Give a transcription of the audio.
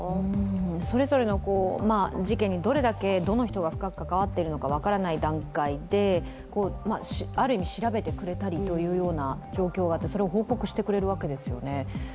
それぞれの事件にどれだけ、どの人が深く関わっているのか分からない段階である意味調べてくれたりというような状況があってそれを報告してくれるわけですよね。